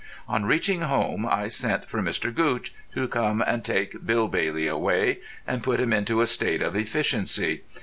On reaching home I sent for Mr. Gootch to come and take Bill Bailey away and put him into a state of efficiency.